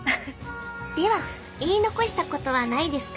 では言い残したことはないですか？